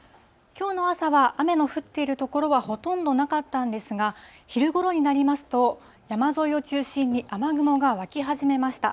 きょうの朝は雨の降っている所はほとんどなかったんですが、昼ごろになりますと、山沿いを中心に雨雲が湧き始めました。